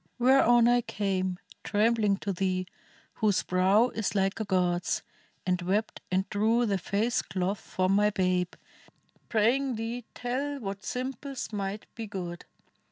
Whereon I came Trembling to thee, whose brow is like a god's, And wept and drew the face cloth from my babe, Praying thee tell what simples might be good.